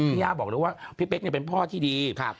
พ่อใดบ่อยาจะบอกว่าพิเกษเป็นพ่อที่ดี